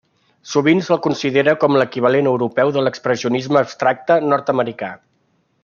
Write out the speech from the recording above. Sovint se'l considera com l'equivalent europeu de l'expressionisme abstracte nord-americà.